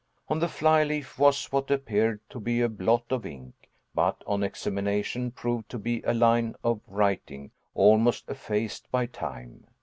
On the fly leaf was what appeared to be a blot of ink, but on examination proved to be a line of writing almost effaced by time.